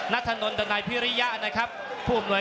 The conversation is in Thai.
รอคะแนนจากอาจารย์สมาร์ทจันทร์คล้อยสักครู่หนึ่งนะครับ